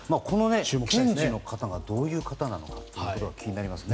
検事の方がどういう方なのか気になりますね。